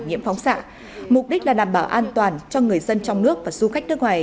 nhiễm phóng xạ mục đích là đảm bảo an toàn cho người dân trong nước và du khách nước ngoài